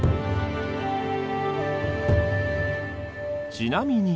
ちなみに。